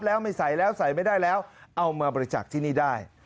แล้วไม่ใส่แล้วใส่ไม่ได้แล้วเอามาบริจักษ์ที่นี่ได้